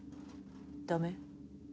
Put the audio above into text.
ダメ？